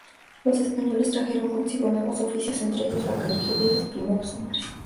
Los españoles trajeron consigo nuevos oficios, entre ellos, la cerrajería y sus primeros hombres.